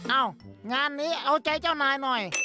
งานนี้เอาใจเจ้านายหน่อย